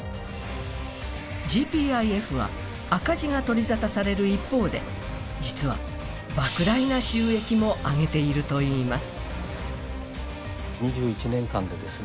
ＧＰＩＦは赤字が取りざたされる一方で、実はばく大な収益も上げているといいます。